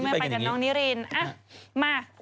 อะไรอ่ะ